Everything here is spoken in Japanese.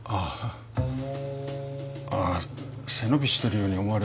あ背伸びしてるように思われるかな。